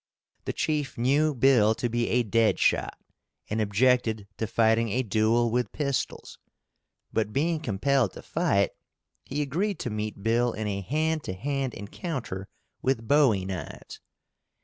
The chief knew Bill to be a dead shot, and objected to fighting a duel with pistols, but, being compelled to fight, he agreed to meet Bill in a hand to hand encounter with bowie knives.